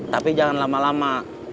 tapi jangan lama lama